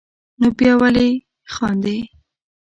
نو بیا ولې خاندې.